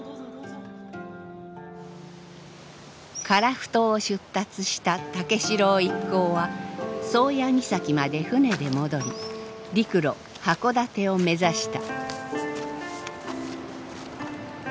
樺太を出立した武四郎一行は宗谷岬まで船で戻り陸路箱館を目指した。